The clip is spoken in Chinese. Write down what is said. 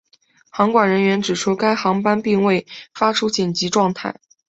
航管人员指出该航班并未发出紧急状态。